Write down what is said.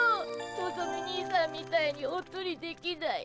のぞみ兄さんみたいにおっとりできない。